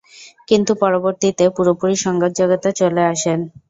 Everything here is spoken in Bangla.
কিন্তু পরবর্তীতে পুরোপুরি সঙ্গীত জগতে চলে আসেন।